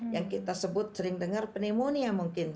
yang kita sebut sering dengar pneumonia mungkin